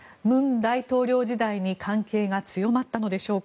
大統領時代に関係が強まったのでしょうか。